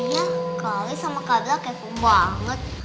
iya kali sama kak bel kepo banget